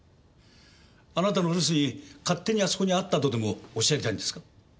あなたの留守に勝手にあそこにあったとでもおっしゃりたいんですか？